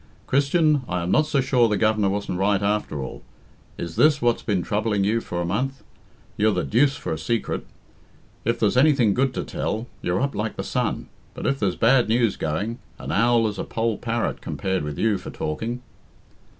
"Christian, I am not so sure the Governor wasn't right after all. Is this what's been troubling you for a month? You're the deuce for a secret. If there's anything good to tell, you're up like the sun; but if there's bad news going, an owl is a poll parrot compared with you for talking."